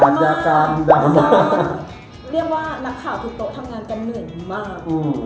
เรียกว่านักข่าวทุกโต๊ะทำงานกันเหนื่อยมาก